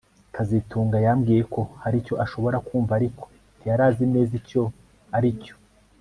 kazitunga yambwiye ko hari icyo ashobora kumva ariko ntiyari azi neza icyo aricyo